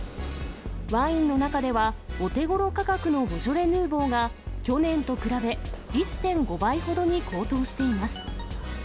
ワインの中ではお手ごろ価格のボジョレ・ヌーボーが、去年と比べ、１．５倍ほどに高騰しています。